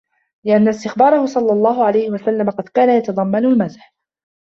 لِأَنَّ اسْتِخْبَارَهُ صَلَّى اللَّهُ عَلَيْهِ وَسَلَّمَ قَدْ كَانَ يَتَضَمَّنُ الْمَزْحَ